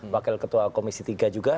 wakil ketua komisi tiga juga